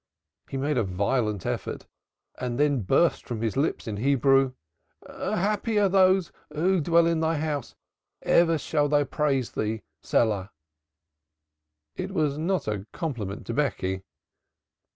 He made a violent effort and there burst from his lips in Hebrew: "Happy are those who dwell in thy house, ever shall they praise thee, Selah!" It was not a compliment to Becky.